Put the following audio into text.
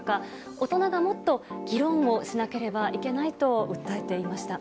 大人がもっと議論をしなければいけないと訴えていました。